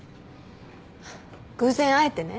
偶然会えてね。